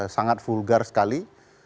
sangat vulgar sekali